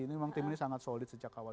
ini memang tim ini sangat solid sejak awal